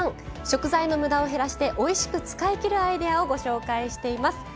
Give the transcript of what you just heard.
食材のむだを減らしておいしく使いきるアイデアをご紹介しています。